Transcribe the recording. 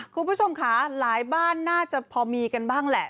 คุณผู้ชมค่ะหลายบ้านน่าจะพอมีกันบ้างแหละ